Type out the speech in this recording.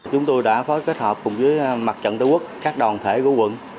chúng tôi đã phối kết hợp cùng với mặt trận tư quốc các đoàn thể của quận